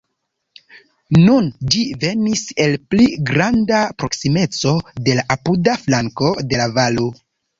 Nun ĝi venis el pli granda proksimeco de la apuda flanko de la valo.